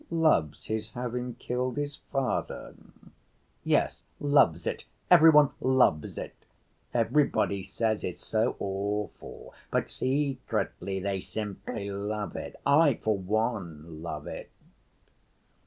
"Loves his having killed his father?" "Yes, loves it; every one loves it! Everybody says it's so awful, but secretly they simply love it. I for one love it."